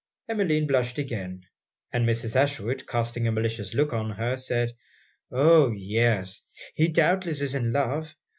Emmeline blushed again; and Mrs. Ashwood casting a malicious look at her, said 'Oh! yes he doubtless is in love.